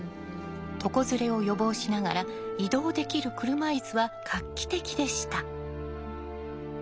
床ずれを予防しながら移動できる車いすは画期的でした。